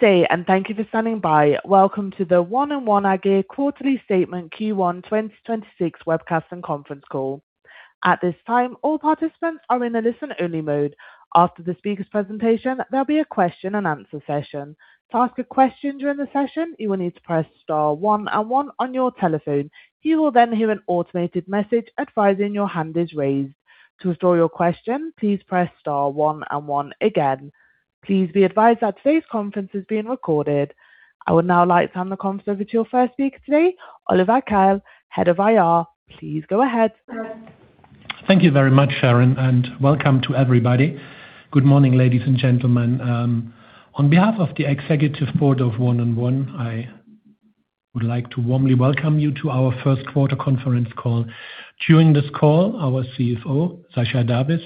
Good day, thank you for standing by. Welcome to the 1&1 AG quarterly statement Q1 2026 webcast and conference call. At this time, all participants are in a listen-only mode. After the speaker's presentation, there'll be a question-and-answer session. To ask a question during the session, you will need to press star one and one on your telephone. You will hear an automated message advising your hand is raised. To restore your question, please press star one and one again. Please be advised that today's conference is being recorded. I would now like to hand the conference over to your first speaker today, Oliver Keil, Head of IR. Please go ahead. Thank you very much, Sharon, and welcome to everybody. Good morning, ladies and gentlemen. On behalf of the executive board of 1&1, I would like to warmly welcome you to our first quarter conference call. During this call, our CFO, Sascha D'Avis,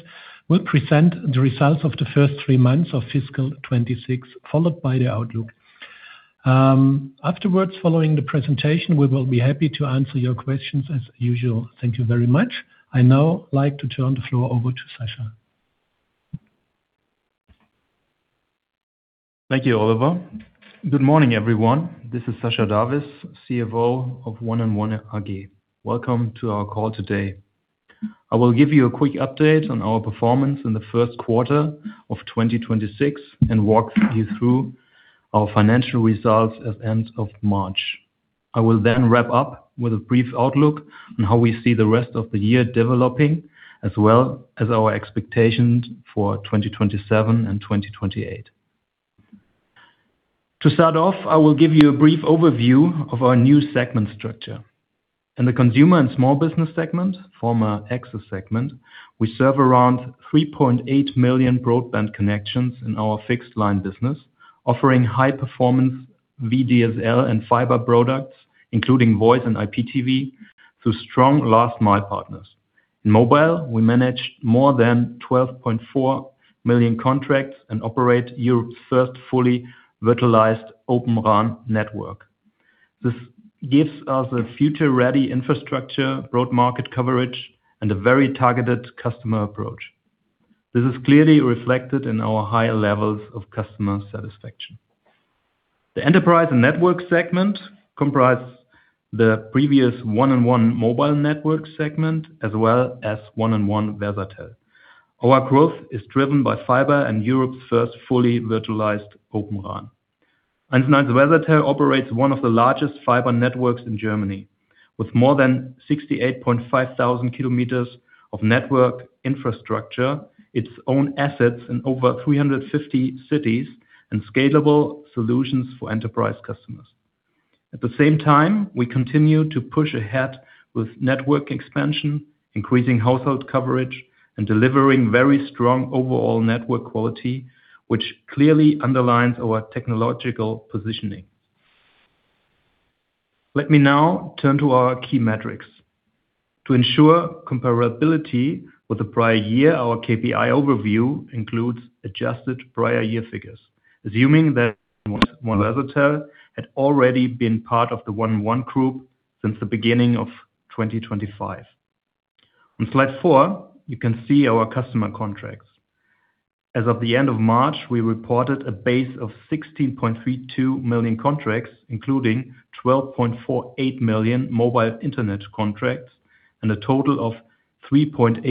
will present the results of the three months of fiscal 2026, followed by the outlook. Afterwards, following the presentation, we will be happy to answer your questions as usual. Thank you very much. I now like to turn the floor over to Sascha. Thank you, Oliver. Good morning, everyone. This is Sascha D'Avis, CFO of 1&1 AG. Welcome to our call today. I will give you a quick update on our performance in the first quarter of 2026 and walk you through our financial results as end of March. I will then wrap up with a brief outlook on how we see the rest of the year developing, as well as our expectations for 2027 and 2028. To start off, I will give you a brief overview of our new segment structure. In the Consumer and Small Business segment, former Axcess segment, we serve around 3.8 million broadband connections in our fixed line business, offering high performance VDSL and fiber products, including voice and IPTV through strong last mile partners. In mobile, we manage more than 12.4 million contracts and operate Europe's first fully virtualized Open RAN network. This gives us a future-ready infrastructure, broad market coverage, and a very targeted customer approach. This is clearly reflected in our high levels of customer satisfaction. The enterprise and network segment comprise the previous 1&1 Mobile Network segment as well as 1&1 Versatel. Our growth is driven by fiber and Europe's first fully virtualized Open RAN. 1&1 Versatel operates one of the largest fiber networks in Germany with more than 68,500 km of network infrastructure, its own assets in over 350 cities and scalable solutions for enterprise customers. At the same time, we continue to push ahead with network expansion, increasing household coverage, and delivering very strong overall network quality, which clearly underlines our technological positioning. Let me now turn to our key metrics. To ensure comparability with the prior year, our KPI overview includes adjusted prior year figures, assuming that 1&1 Versatel had already been part of the 1&1 group since the beginning of 2025. On slide four, you can see our customer contracts. As of the end of March, we reported a base of 16.32 million contracts, including 12.48 million mobile internet contracts and a total of 3.84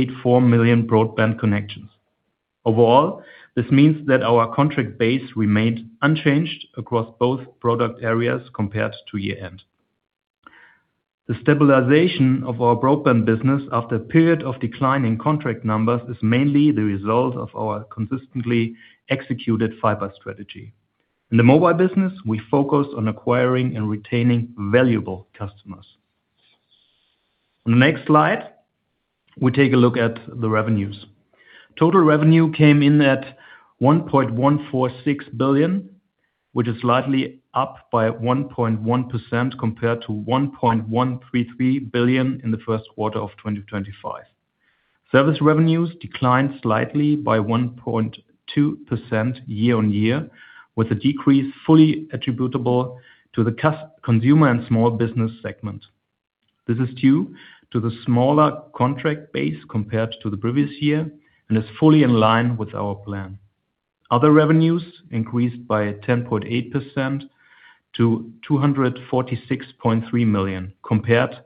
million broadband connections. Overall, this means that our contract base remained unchanged across both product areas compared to year-end. The stabilization of our broadband business after a period of declining contract numbers is mainly the result of our consistently executed fiber strategy. In the mobile business, we focus on acquiring and retaining valuable customers. On the next slide, we take a look at the revenues. Total revenue came in at 1.146 billion, which is slightly up by 1.1% compared to 1.133 billion in the first quarter of 2025. Service revenues declined slightly by 1.2% year-on-year, with a decrease fully attributable to the consumer and small business segment. This is due to the smaller contract base compared to the previous year and is fully in line with our plan. Other revenues increased by 10.8% to 246.3 million, compared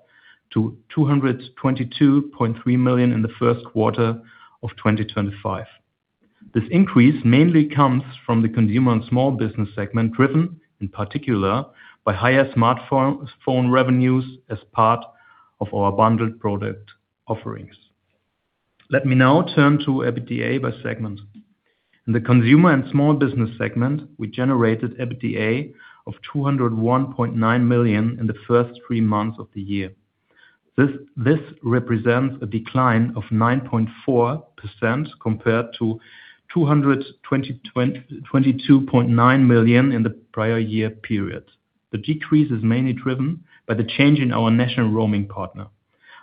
to 222.3 million in the first quarter of 2025. This increase mainly comes from the consumer and small business segment, driven in particular by higher smartphone revenues as part of our bundled product offerings. Let me now turn to EBITDA by segment. In the consumer and small business segment, we generated EBITDA of 201.9 million in the first three months of the year. This represents a decline of 9.4% compared to 222.9 million in the prior year period. The decrease is mainly driven by the change in our national roaming partner.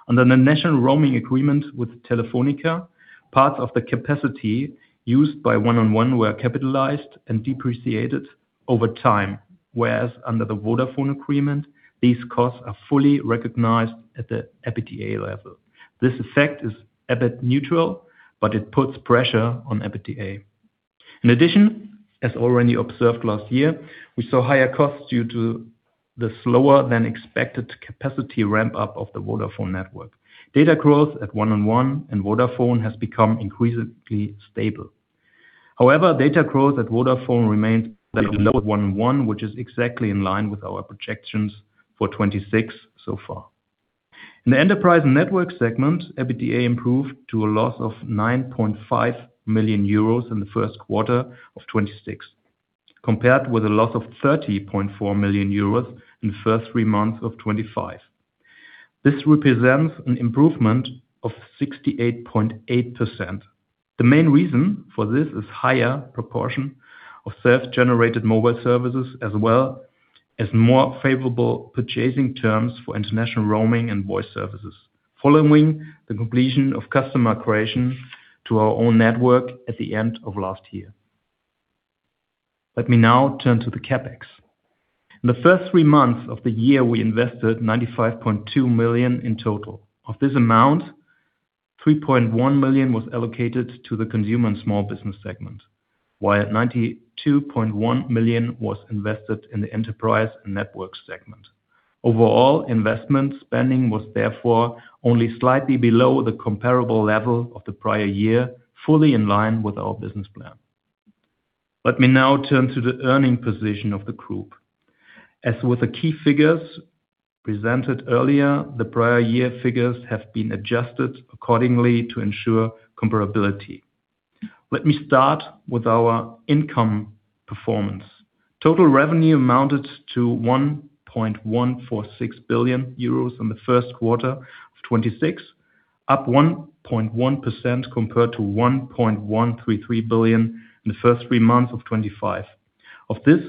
Under the national roaming agreement with Telefónica, parts of the capacity used by 1&1 were capitalized and depreciated over time. Whereas under the Vodafone agreement, these costs are fully recognized at the EBITDA level. This effect is EBIT neutral. It puts pressure on EBITDA. In addition, as already observed last year, we saw higher costs due to the slower than expected capacity ramp-up of the Vodafone network. Data growth at 1&1 and Vodafone has become increasingly stable. Data growth at Vodafone remains one-on-one, which is exactly in line with our projections for 2026 so far. In the enterprise network segment, EBITDA improved to a loss of 9.5 million euros in the first quarter of 2026, compared with a loss of 30.4 million euros in the first three months of 2025. This represents an improvement of 68.8%. The main reason for this is higher proportion of self-generated mobile services, as well as more favorable purchasing terms for international roaming and voice services following the completion of customer creation to our own network at the end of last year. Let me now turn to the CapEx. In the first three months of the year, we invested 95.2 million in total. Of this amount, 3.1 million was allocated to the consumer and small business segment, while 92.1 million was invested in the enterprise and network segment. Overall investment spending was therefore only slightly below the comparable level of the prior year, fully in line with our business plan. Let me now turn to the earning position of the group. As with the key figures presented earlier, the prior year figures have been adjusted accordingly to ensure comparability. Let me start with our income performance. Total revenue amounted to 1.146 billion euros in the first quarter of 2026, up 1.1% compared to 1.133 billion in the first three months of 2025. Of this,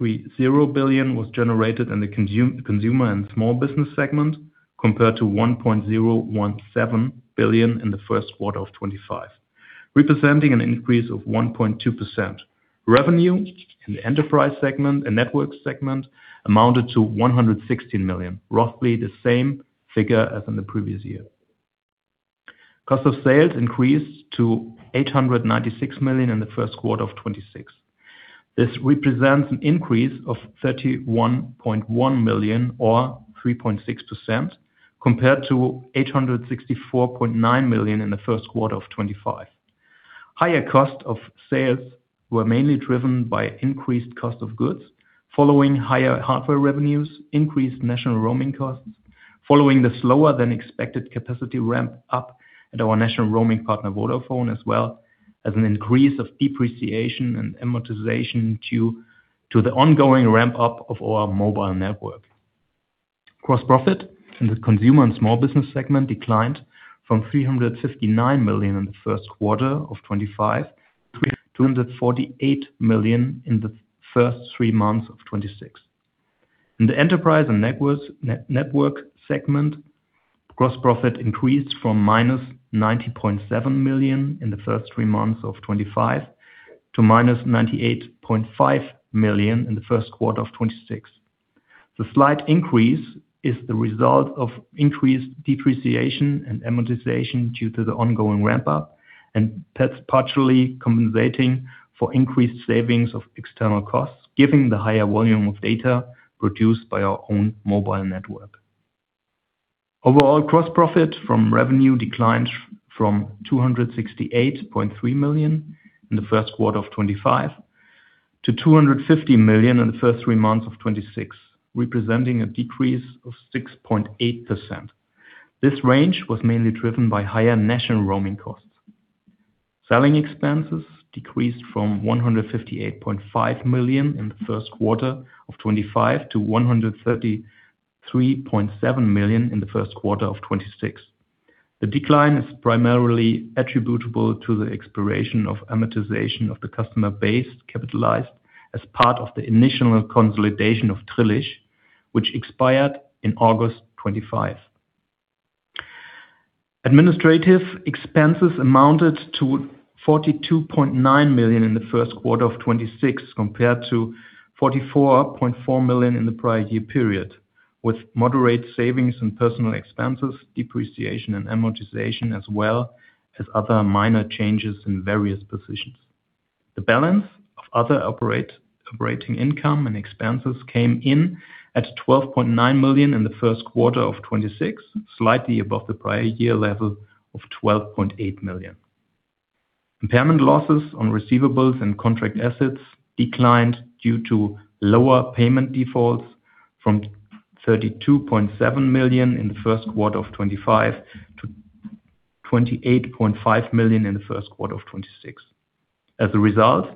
1.03 billion was generated in the consumer and small business segment, compared to 1.017 billion in the first quarter of 2025, representing an increase of 1.2%. Revenue in the enterprise segment and network segment amounted to 116 million, roughly the same figure as in the previous year. Cost of sales increased to 896 million in the first quarter of 2026. This represents an increase of 31.1 million or 3.6% compared to 864.9 million in the first quarter of 2025. Higher cost of sales were mainly driven by increased cost of goods following higher hardware revenues, increased national roaming costs following the slower than expected capacity ramp-up at our national roaming partner, Vodafone, as well as an increase of depreciation and amortization due to the ongoing ramp-up of our mobile network. Gross profit in the consumer and small business segment declined from 359 million in the first quarter of 2025 to 248 million in the first three months of 2026. In the enterprise and network segment, gross profit increased from -90.7 million in the first three months of 2025 to -98.5 million in the first quarter of 2026. The slight increase is the result of increased depreciation and amortization due to the ongoing ramp-up, and that's partially compensating for increased savings of external costs, giving the higher volume of data produced by our own mobile network. Overall, gross profit from revenue declined from 268.3 million in the first quarter of 2025 to 250 million in the first three months of 2026, representing a decrease of 6.8%. This range was mainly driven by higher national roaming costs. Selling expenses decreased from 158.5 million in the first quarter of 2025 to 133.7 million in the first quarter of 2026. The decline is primarily attributable to the expiration of amortization of the customer base capitalized as part of the initial consolidation of Drillisch, which expired in August 2025. Administrative expenses amounted to 42.9 million in the first quarter of 2026, compared to 44.4 million in the prior year period, with moderate savings in personal expenses, depreciation and amortization, as well as other minor changes in various positions. The balance of other operating income and expenses came in at 12.9 million in the first quarter of 2026, slightly above the prior year level of 12.8 million. Impairment losses on receivables and contract assets declined due to lower payment defaults from 32.7 million in the first quarter of 2025 to 28.5 million in the first quarter of 2026. As a result,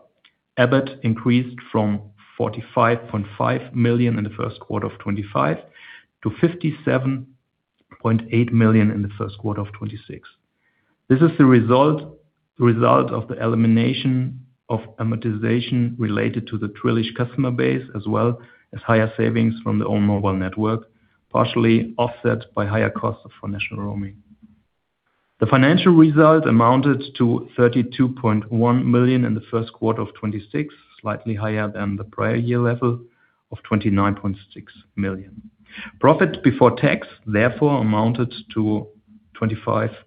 EBIT increased from 45.5 million in the first quarter of 2025 to 57.8 million in the first quarter of 2026. This is the result of the elimination of amortization related to the Drillisch customer base, as well as higher savings from the own mobile network, partially offset by higher costs for national roaming. The financial result amounted to 32.1 million in the first quarter of 2026, slightly higher than the prior year level of 29.6 million. Profit before tax amounted to 25.7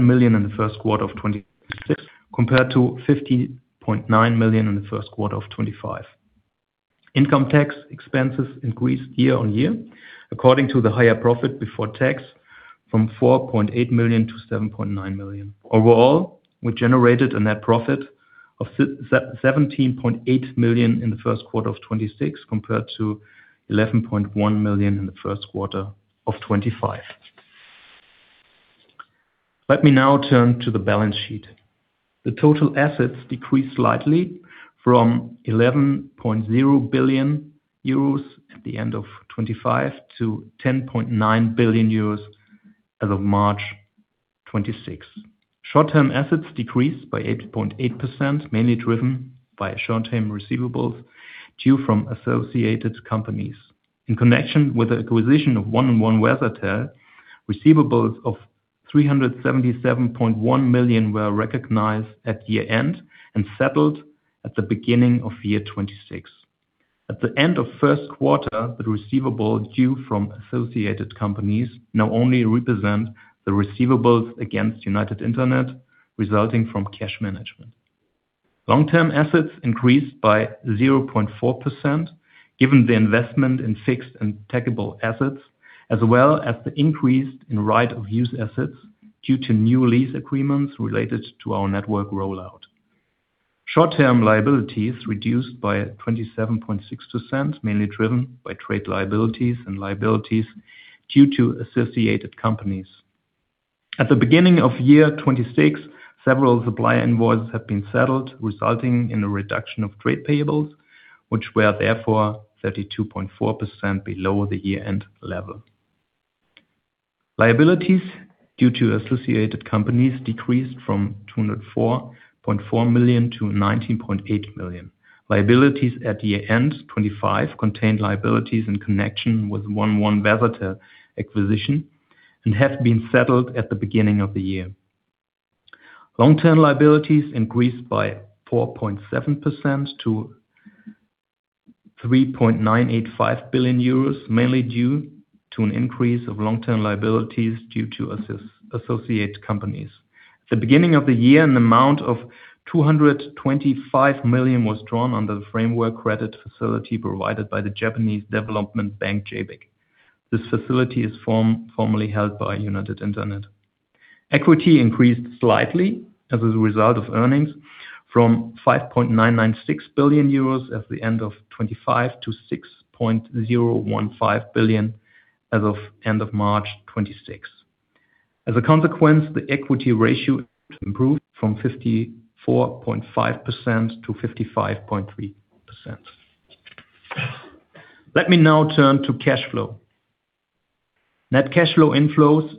million in the first quarter of 2026 compared to 15.9 million in the first quarter of 2025. Income tax expenses increased year-on-year according to the higher profit before tax from 4.8 million-7.9 million. We generated a net profit of 17.8 million in the first quarter of 2026 compared to 11.1 million in the first quarter of 2025. Let me now turn to the balance sheet. The total assets decreased slightly from 11.0 billion euros at the end of 2025 to 10.9 billion euros as of March 2026. Short-term assets decreased by 8.8%, mainly driven by short-term receivables due from associated companies. In connection with the acquisition of 1&1 Wetter, receivables of 377.1 million were recognized at year-end and settled at the beginning of year 2026. At the end of first quarter, the receivable due from associated companies now only represent the receivables against United Internet resulting from cash management. Long-term assets increased by 0.4% given the investment in fixed and tangible assets, as well as the increase in right of use assets due to new lease agreements related to our network rollout. Short-term liabilities reduced by 27.6%, mainly driven by trade liabilities and liabilities due to associated companies. At the beginning of year 2026, several supplier invoices have been settled, resulting in a reduction of trade payables, which were therefore 32.4% below the year-end level. Liabilities due to associated companies decreased from 204.4 million-19.8 million. Liabilities at the end 2025 contained liabilities in connection with 1&1 Wetter acquisition and have been settled at the beginning of the year. Long-term liabilities increased by 4.7% to 3.985 billion euros, mainly due to an increase of long-term liabilities due to associate companies. At the beginning of the year, an amount of 225 million was drawn under the framework credit facility provided by the Japanese Development Bank, JBIC. This facility is formally held by United Internet. Equity increased slightly as a result of earnings from 5.996 billion euros at the end of 2025 to 6.015 billion as of end of March 2026. As a consequence, the equity ratio improved from 54.5%-55.3%. Let me now turn to cash flow. Net cash flow inflows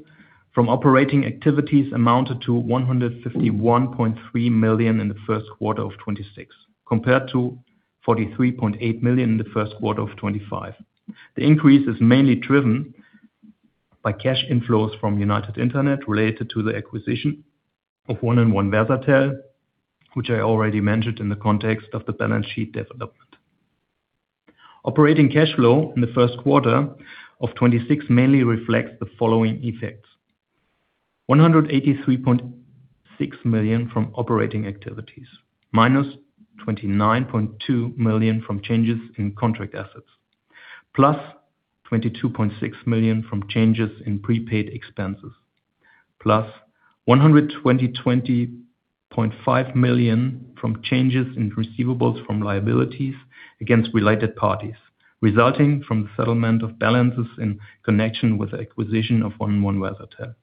from operating activities amounted to 151.3 million in the first quarter of 2026 compared to 43.8 million in the first quarter of 2025. The increase is mainly driven by cash inflows from United Internet related to the acquisition of 1&1 Wetter, which I already mentioned in the context of the balance sheet development. Operating cash flow in the first quarter of 2026 mainly reflects the following effects. 183.6 million from operating activities, -29.2 million from changes in contract assets, +22.6 million from changes in prepaid expenses, +120.5 million from changes in receivables from liabilities against related parties resulting from the settlement of balances in connection with the acquisition of 1&1 Wetter.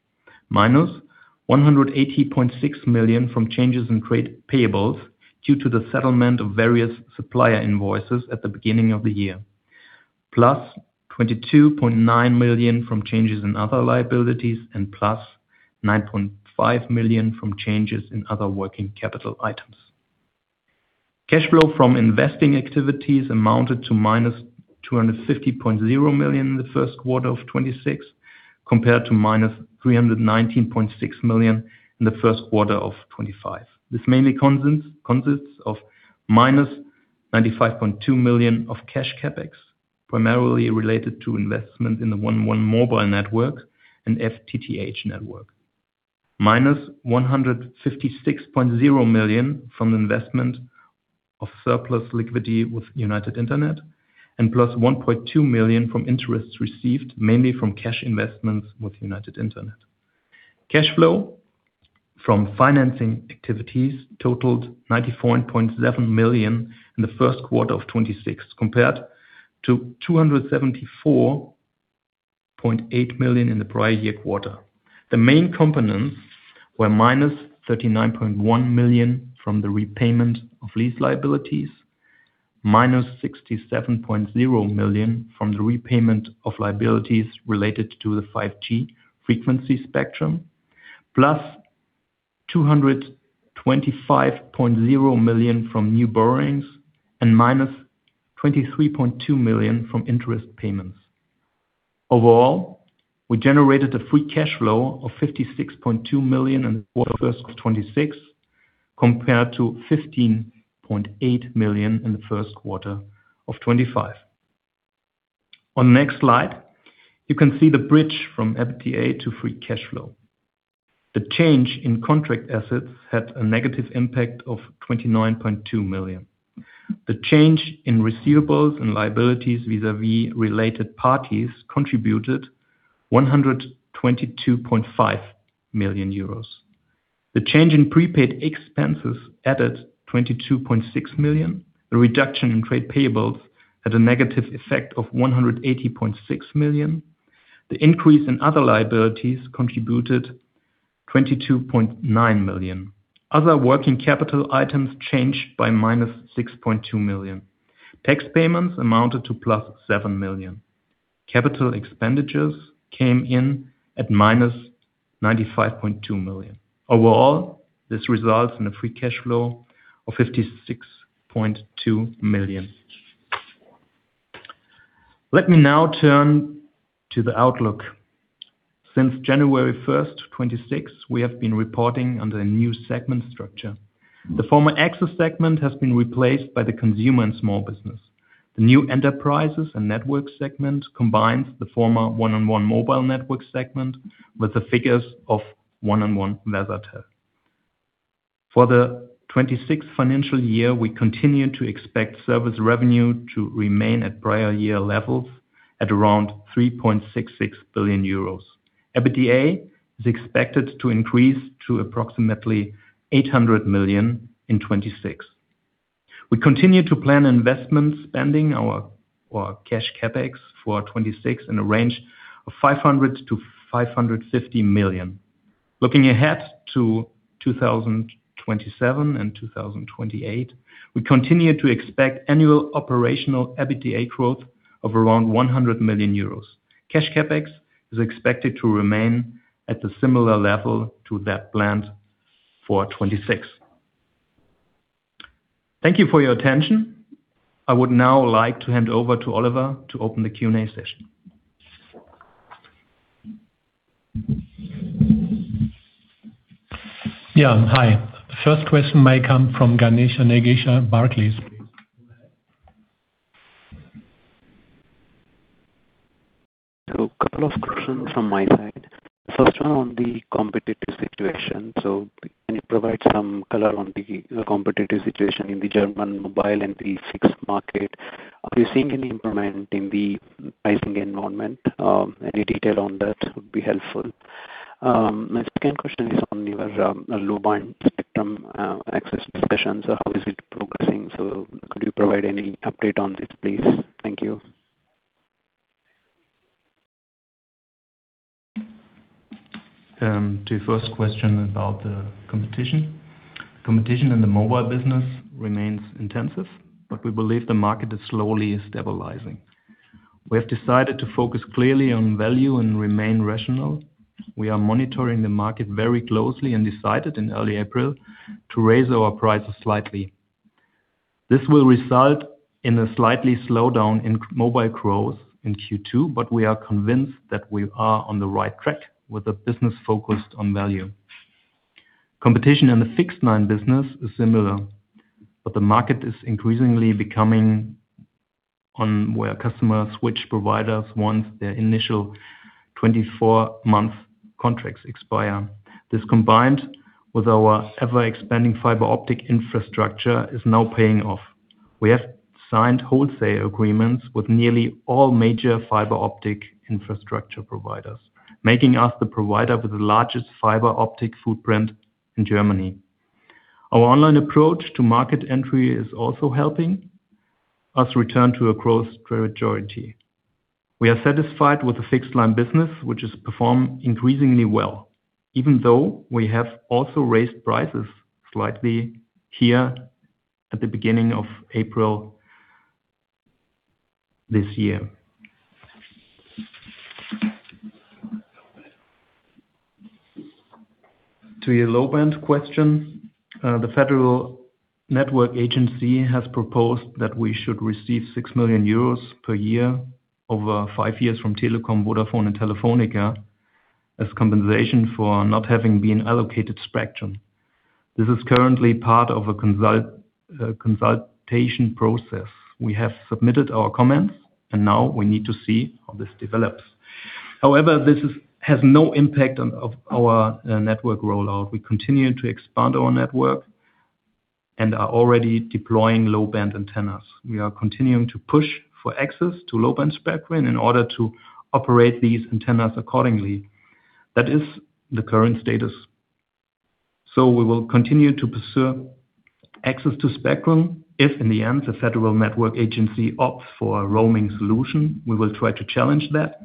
-180.6 million from changes in trade payables due to the settlement of various supplier invoices at the beginning of the year. +22.9 million from changes in other liabilities and +9.5 million from changes in other working capital items. Cash flow from investing activities amounted to -250.0 million in the first quarter of 2026 compared to -319.6 million in the first quarter of 2025. This mainly consists of -95.2 million of cash CapEx, primarily related to investment in the 1&1 mobile network and FTTH network. -156.0 million from the investment of surplus liquidity with United Internet and +1.2 million from interests received mainly from cash investments with United Internet. Cash flow from financing activities totaled 94.7 million in the first quarter of 2026 compared to 274.8 million in the prior-year quarter. The main components were -39.1 million from the repayment of lease liabilities, -67.0 million from the repayment of liabilities related to the 5G frequency spectrum, +225.0 million from new borrowings and -23.2 million from interest payments. Overall, we generated a free cash flow of 56.2 million in the quarter first of 2026, compared to 15.8 million in the first quarter of 2025. On next slide, you can see the bridge from EBITDA to free cash flow. The change in contract assets had a negative impact of 29.2 million. The change in receivables and liabilities vis-a-vis related parties contributed 122.5 million euros. The change in prepaid expenses added 22.6 million. The reduction in trade payables had a negative effect of 180.6 million. The increase in other liabilities contributed 22.9 million. Other working capital items changed by -6.2 million. Tax payments amounted to +7 million. Capital expenditures came in at -95.2 million. Overall, this results in a free cash flow of 56.2 million. Let me now turn to the outlook. Since January 1st, 2026, we have been reporting under a new segment structure. The former Access segment has been replaced by the Consumer and Small Business. The new Enterprises and Network segment combines the former 1&1 Mobile Network segment with the figures of 1&1 Versatel. For the 2026 financial year, we continue to expect service revenue to remain at prior year levels at around 3.66 billion euros. EBITDA is expected to increase to approximately 800 million in 2026. We continue to plan investment spending our cash CapEx for 2026 in a range of 500 million-550 million. Looking ahead to 2027 and 2028, we continue to expect annual operational EBITDA growth of around 100 million euros. Cash CapEx is expected to remain at the similar level to that planned for 2026. Thank you for your attention. I would now like to hand over to Oliver to open the Q&A session. Yeah. Hi. First question may come from Ganesha Nagesha, Barclays. A couple of questions from my side. First one on the competitive situation. Can you provide some color on the competitive situation in the German mobile and the fixed market? Are you seeing any improvement in the pricing environment? Any detail on that would be helpful. My second question is on your low-band spectrum access discussions. How is it progressing? Could you provide any update on this, please? Thank you. To your first question about the competition. Competition in the mobile business remains intensive, but we believe the market is slowly stabilizing. We have decided to focus clearly on value and remain rational. We are monitoring the market very closely and decided in early April to raise our prices slightly. This will result in a slight slowdown in mobile growth in Q2, but we are convinced that we are on the right track with a business focused on value. Competition in the fixed line business is similar, but the market is increasingly becoming one where customers switch providers once their initial 24-month contracts expire. This, combined with our ever-expanding fiber optic infrastructure, is now paying off. We have signed wholesale agreements with nearly all major fiber optic infrastructure providers, making us the provider with the largest fiber optic footprint in Germany. Our online approach to market entry is also helping us return to a growth majority. We are satisfied with the fixed line business, which has performed increasingly well, even though we have also raised prices slightly here at the beginning of April this year. To your low-band question, the Federal Network Agency has proposed that we should receive 6 million euros per year over five years from Telekom, Vodafone and Telefónica as compensation for not having been allocated spectrum. This is currently part of a consultation process. We have submitted our comments. Now we need to see how this develops. However, this has no impact on our network rollout. We continue to expand our network and are already deploying low-band antennas. We are continuing to push for access to low-band spectrum in order to operate these antennas accordingly. That is the current status. We will continue to pursue access to spectrum. If in the end, the Federal Network Agency opts for a roaming solution, we will try to challenge that.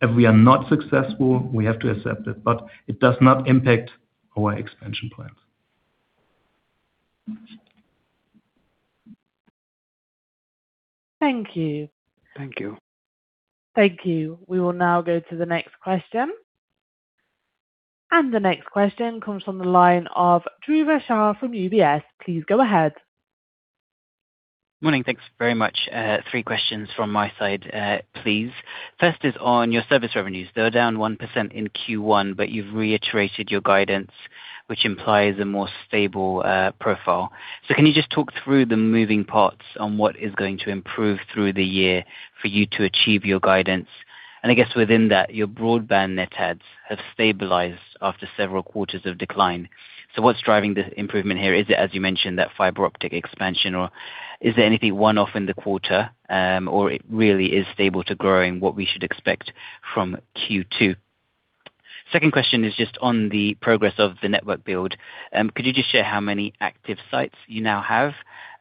If we are not successful, we have to accept it, but it does not impact our expansion plans. Thank you. Thank you. Thank you. We will now go to the next question. The next question comes from the line of Dhruva Shah from UBS. Please go ahead. Morning. Thanks very much. Three questions from my side, please. First is on your service revenues. They are down 1% in Q1, but you've reiterated your guidance, which implies a more stable profile. Can you just talk through the moving parts on what is going to improve through the year for you to achieve your guidance? I guess within that, your broadband net adds have stabilized after several quarters of decline. What's driving the improvement here? Is it, as you mentioned, that fiber optic expansion or is there anything one-off in the quarter? Or it really is stable to growing what we should expect from Q2. Second question is just on the progress of the network build. Could you just share how many active sites you now have?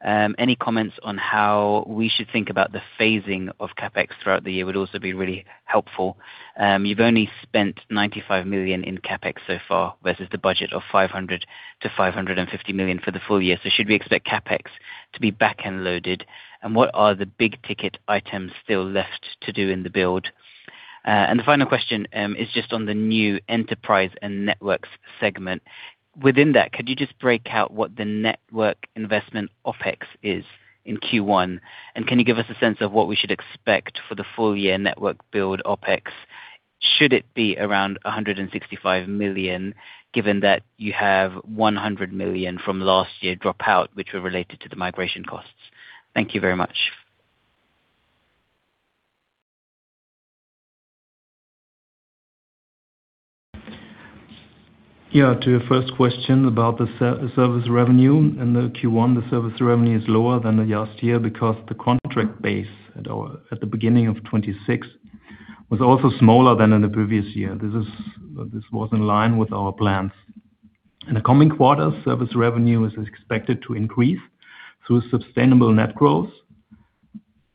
Any comments on how we should think about the phasing of CapEx throughout the year would also be really helpful. You've only spent 95 million in CapEx so far, versus the budget of 500 million-550 million for the full year. Should we expect CapEx to be back-end loaded? What are the big ticket items still left to do in the build? The final question is just on the new enterprise and networks segment. Within that, could you just break out what the network investment OpEx is in Q1? Can you give us a sense of what we should expect for the full year network build OpEx? Should it be around 165 million, given that you have 100 million from last year drop out, which were related to the migration costs? Thank you very much. Yeah. To your first question about the service revenue. In the Q1, the service revenue is lower than the last year because the contract base at the beginning of 2026 was also smaller than in the previous year. This was in line with our plans. In the coming quarters, service revenue is expected to increase through sustainable net growth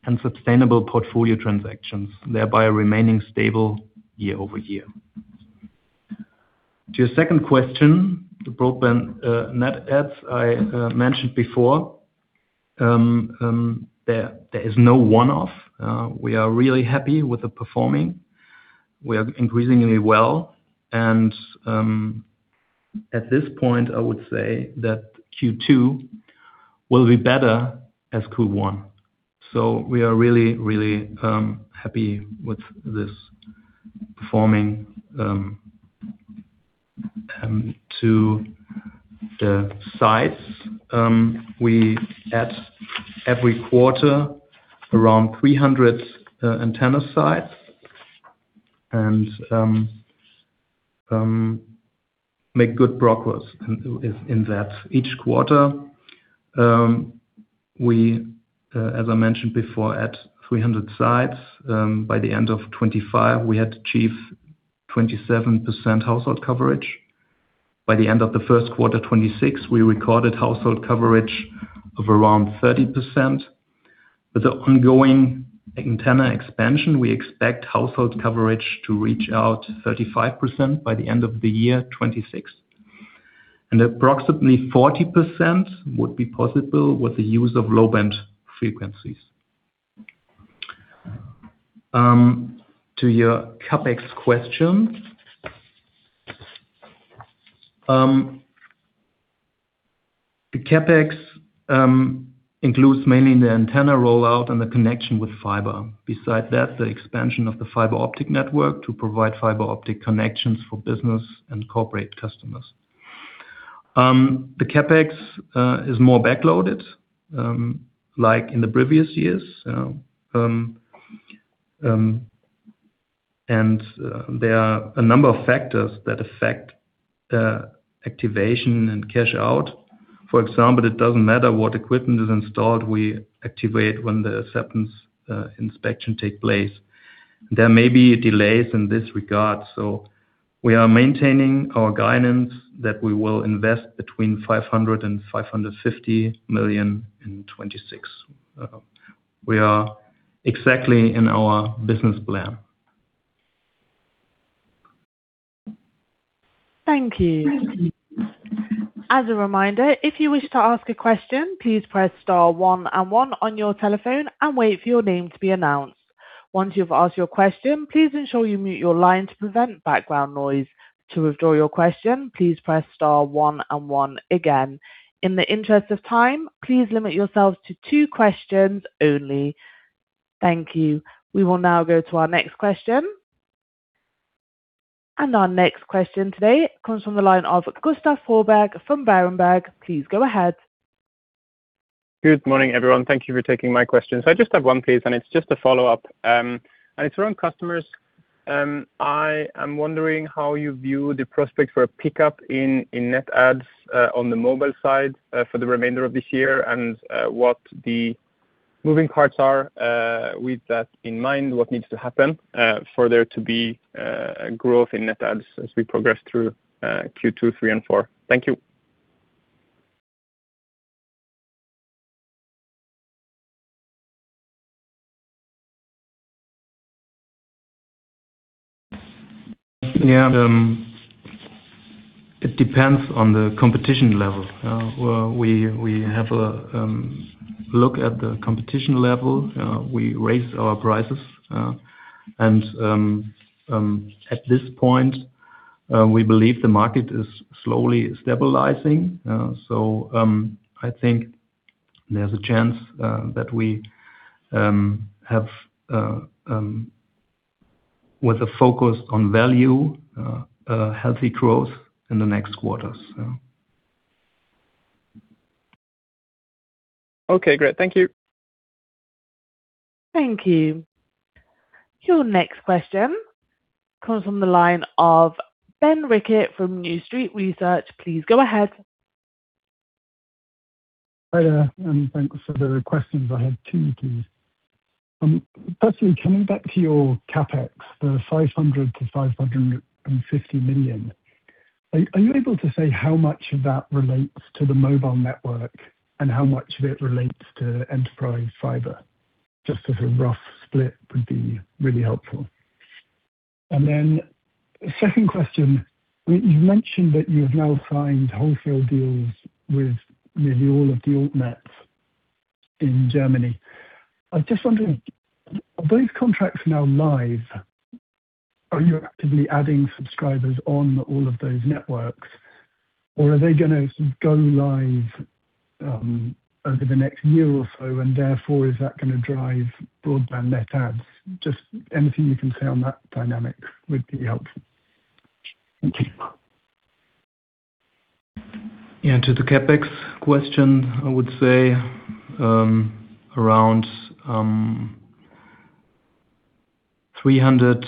and sustainable portfolio transactions, thereby remaining stable year-over-year. To your second question, the broadband net adds, I mentioned before, there is no one-off. We are really happy with the performing. We are increasingly well and at this point, I would say that Q2 will be better as Q1. We are really happy with this performing. To the sites, we add every quarter around 300 antenna sites and make good progress in that. Each quarter, we, as I mentioned before, add 300 sites. By the end of 2025, we had achieved 27% household coverage. By the end of the first quarter, 2026, we recorded household coverage of around 30%. With the ongoing antenna expansion, we expect household coverage to reach out 35% by the end of the year, 2026. Approximately 40% would be possible with the use of low-band frequencies. To your CapEx question. The CapEx includes mainly the antenna rollout and the connection with fiber. Besides that, the expansion of the fiber optic network to provide fiber optic connections for business and corporate customers. The CapEx is more backloaded, like in the previous years. There are a number of factors that affect the activation and cash out. For example, it doesn't matter what equipment is installed. We activate when the acceptance inspection take place. There may be delays in this regard. We are maintaining our guidance that we will invest between 500 million and 550 million in 2026. We are exactly in our business plan. Thank you. As a reminder, if you wish to ask a question, please press star one and one on your telephone and wait for your name to be announced. Once you've asked your question, please ensure you mute your line to prevent background noise. To withdraw your question, please press star one and one again. In the interest of time, please limit yourselves to two questions only. Thank you. We will now go to our next question. Our next question today comes from the line of Gustav Froberg from Berenberg. Please go ahead. Good morning, everyone. Thank you for taking my questions. I just have one, please, and it's just a follow-up, and it's around customers. I am wondering how you view the prospects for a pickup in net adds on the mobile side for the remainder of this year and what the moving parts are with that in mind. What needs to happen for there to be growth in net adds as we progress through Q2, Q3 and Q4? Thank you. Yeah. It depends on the competition level. Well, we have a look at the competition level. We raise our prices. At this point, we believe the market is slowly stabilizing. I think there's a chance that we have with a focus on value, healthy growth in the next quarters. Yeah. Okay, great. Thank you. Thank you. Your next question comes from the line of Ben Rickett from New Street Research. Please go ahead. Hi there, thanks for the questions. I had two, please. Firstly, coming back to your CapEx, the 500 million-550 million. Are you able to say how much of that relates to the mobile network and how much of it relates to enterprise fiber? Just as a rough split would be really helpful. Then second question. You mentioned that you've now signed wholesale deals with nearly all of the alt nets in Germany. I was just wondering, are those contracts now live? Are you actively adding subscribers on all of those networks, or are they going to go live over the next year or so? Therefore, is that going to drive broadband net adds? Just anything you can say on that dynamic would be helpful. Thank you. Yeah, to the CapEx question, I would say, around 300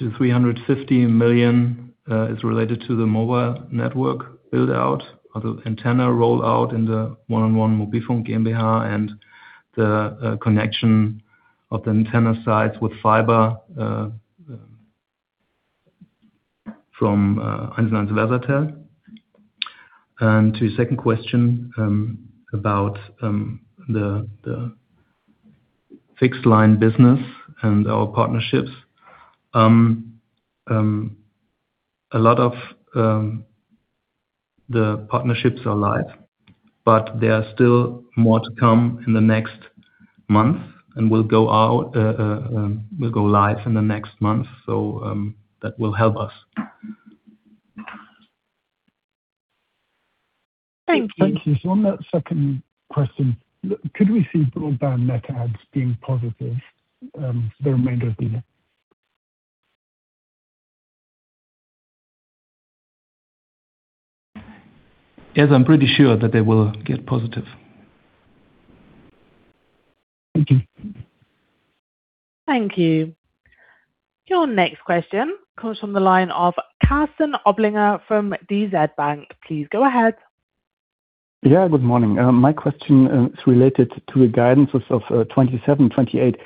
million-350 million is related to the mobile network build-out of the antenna rollout in the 1&1 Mobilfunk GmbH and the connection of the antenna sites with fiber from 1&1 Versatel. To your second question, about the fixed line business and our partnerships. A lot of the partnerships are live, but there are still more to come in the next month and will go live in the next month. That will help us. Thank you. Thank you. On that second question, could we see broadband net adds being positive for the remainder of the year? Yes, I'm pretty sure that they will get positive. Thank you. Thank you. Your next question comes from the line of Karsten Oblinger from DZ Bank. Please go ahead. Yeah, good morning. My question is related to the guidance of 2027, 2028.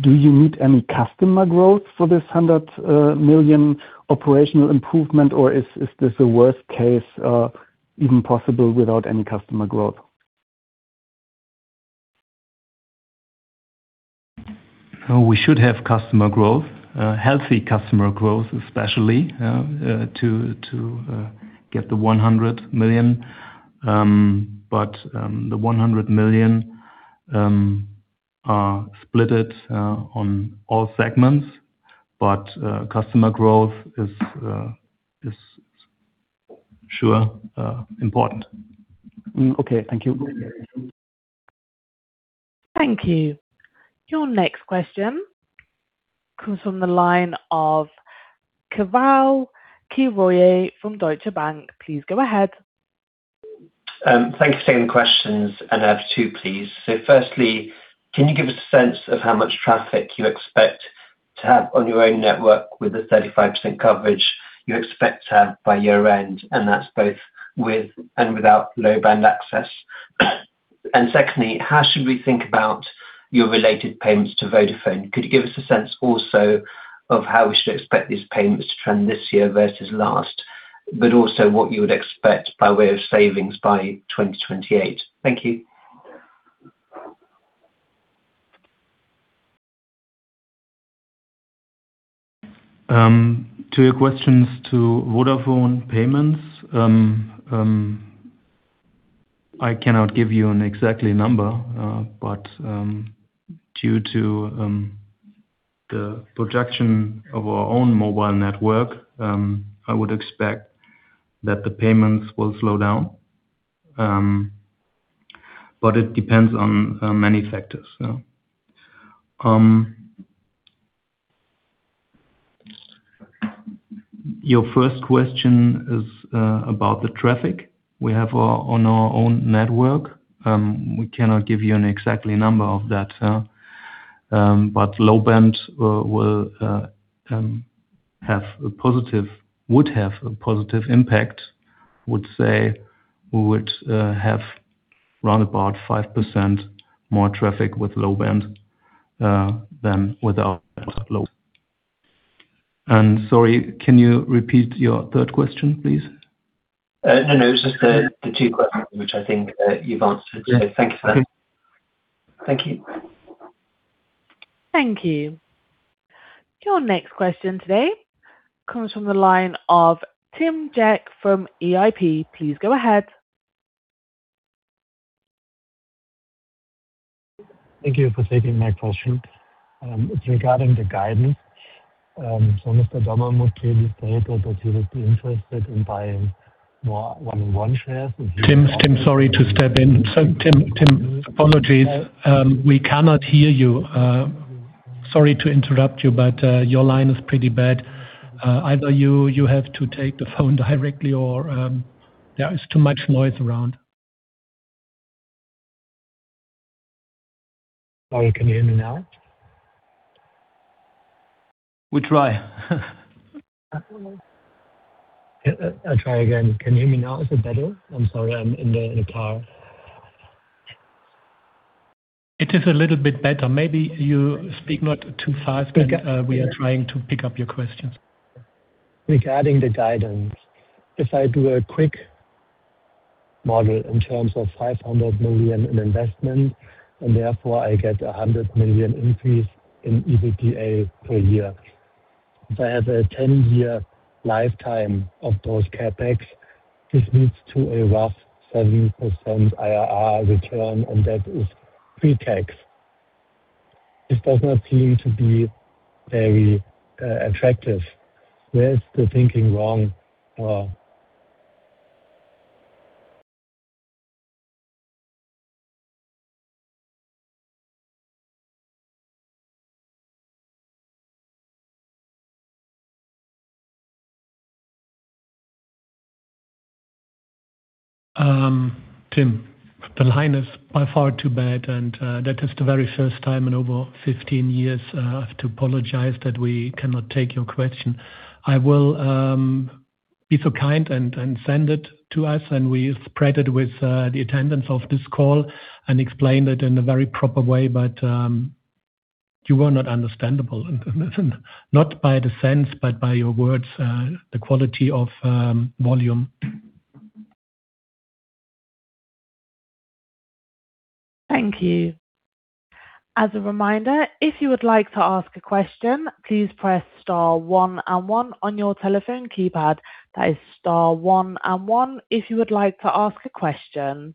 Do you need any customer growth for this 100 million operational improvement? Or is this a worst case even possible without any customer growth? We should have customer growth, healthy customer growth, especially to get the 100 million. The 100 million are splitted on all segments. Customer growth is sure important. Okay. Thank you. Thank you. Your next question comes from the line of Keval Khiroya from Deutsche Bank. Please go ahead. Thanks for taking the questions. I have two, please. Firstly, can you give us a sense of how much traffic you expect to have on your own network with the 35% coverage you expect to have by year-end? That's both with and without low-band access. Secondly, how should we think about your related payments to Vodafone? Could you give us a sense also of how we should expect these payments to trend this year versus last, also what you would expect by way of savings by 2028? Thank you. To your questions to Vodafone payments. I cannot give you an exactly number. Due to the projection of our own mobile network, I would expect that the payments will slow down. It depends on many factors. Your first question is about the traffic we have on our own network. We cannot give you an exactly number of that. Low bands will have a positive impact. Would say we would have round about 5% more traffic with low band than without low. Sorry, can you repeat your third question, please? No, no. It's just the two questions which I think you've answered. Thank you for that. Thank you. Thank you. Your next question today comes from the line of Tim Jack from EIP. Please go ahead. Thank you for taking my question. It's regarding the guidance. Mr. Dommermuth clearly stated that he would be interested in buying 1&1 shares. Tim, sorry to step in. Tim, apologies. We cannot hear you. Sorry to interrupt you, but your line is pretty bad. Either you have to take the phone directly or there is too much noise around. Sorry, can you hear me now? We try. I'll try again. Can you hear me now? Is it better? I'm sorry, I'm in the car. It is a little bit better. Maybe you speak not too fast and, we are trying to pick up your questions. Regarding the guidance, if I do a quick model in terms of 500 million in investment, and therefore I get a 100 million increase in EBITDA per year. If I have a 10-year lifetime of those CapEx, this leads to a rough 7% IRR return, and that is pre-tax. This does not seem to be very attractive. Where is the thinking wrong or? Tim, the line is by far too bad, and that is the very first time in over 15 years, I have to apologize that we cannot take your question. I will be so kind and send it to us, and we spread it with the attendance of this call and explain it in a very proper way. You were not understandable, not by the sense, but by your words, the quality of volume. Thank you. As a reminder, if you would like to ask a question, please press star one and one on your telephone keypad. That is star one and one if you would like to ask a question.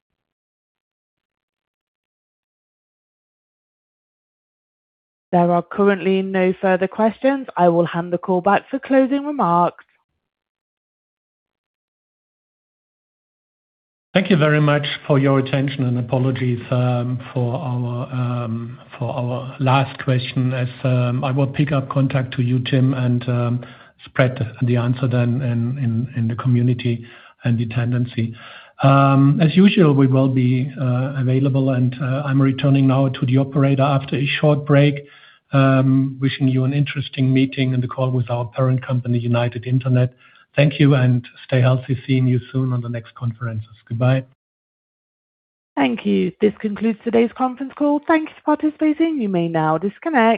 There are currently no further questions. I will hand the call back for closing remarks. Thank you very much for your attention and apologies for our for our last question as I will pick up contact to you, Tim, and spread the answer then in, in the community and the tenancy. As usual, we will be available and I'm returning now to the operator after a short break. Wishing you an interesting meeting in the call with our parent company, United Internet. Thank you. Stay healthy. Seeing you soon on the next conferences. Goodbye. Thank you. This concludes today's conference call. Thank you for participating. You may now disconnect.